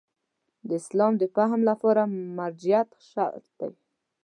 د اسلام د فهم لپاره مرجعیت شرط دی.